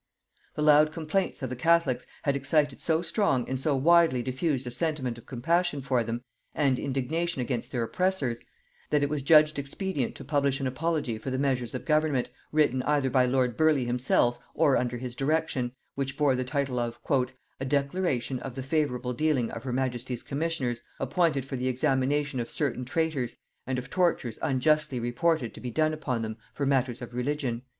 The loud complaints of the catholics had excited so strong and so widely diffused a sentiment of compassion for them and indignation against their oppressors, that it was judged expedient to publish an apology for the measures of government, written either by lord Burleigh himself or under his direction, which bore the title of "A declaration of the favorable dealing of her majesty's commissioners appointed for the examination of certain traitors, and of tortures unjustly reported to be done upon them for matters of religion."